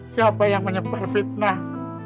siapa yang menyebar fitnah